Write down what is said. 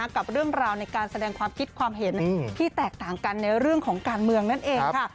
กับเรื่องราวในการแสดงความคิดความเห็นที่แตกต่างกันในเรื่องของการเมืองนั่นเองค่ะ